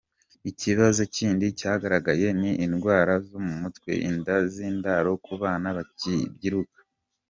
Ikibazo kindi cyagaragaye ni indwara zo mu mutwe, inda z’indaro ku bana bakibyiruka.